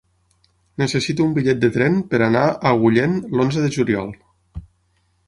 Necessito un bitllet de tren per anar a Agullent l'onze de juliol.